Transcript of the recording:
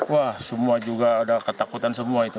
wah semua juga ada ketakutan semua itu